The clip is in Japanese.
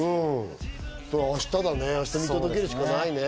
明日だね、明日見届けるしかないね。